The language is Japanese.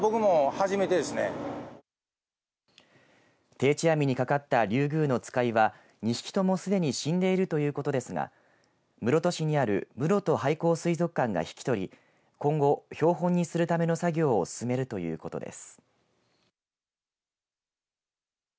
定置網にかかったリュウグウノツカイは２匹ともすでに死んでいるということですが室戸市にあるむろと廃校水族館が引き取り今後、標本にするための作業を進めるということです。